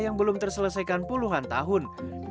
yang belum terselesaikan puluhan tahun